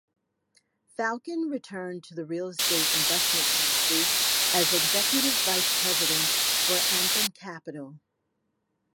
Falcon returned to the real-estate investment industry as executive vice-president for Anthem Capital.